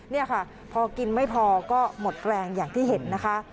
นี่ค่ะพอกินไม่พอก็หมดแรงอย่างที่เห็นนะคะ